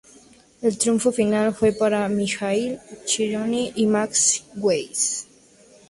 El triunfo final fue para Mijaíl Chigorin y Max Weiss.